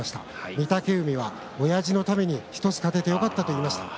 御嶽海はおやじのために１つ勝ててよかったと言いました。